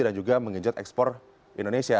dan juga mengenjot ekspor indonesia